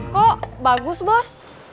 kok bagus bos